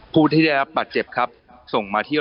ผู้ที่ได้รับบัตรเจ็บครับส่งมาเที่ยว